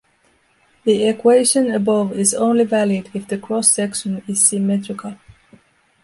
The equation above is only valid if the cross-section is symmetrical.